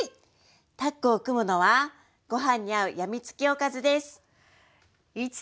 タッグを組むのはご飯に合うやみつきおかずです。